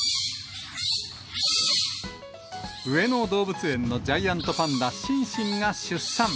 上野動物園のジャイアントパンダ、シンシンが出産。